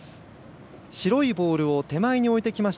白いボールを手前に置いてきました。